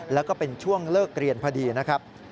แล้วก็เป็นช่วงเลิกเรียนพอดีนะครับ